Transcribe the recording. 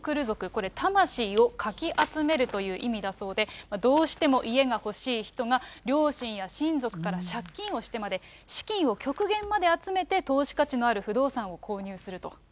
これ、魂をかき集めるという意味だそうで、どうしても家が欲しい人が、両親や親族から借金をしてまで資金を極限まで集めて投資価値のある不動産を購入すると。